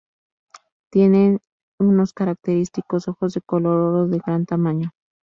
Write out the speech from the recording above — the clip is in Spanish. Tiene unos característicos ojos de color oro de gran tamaño.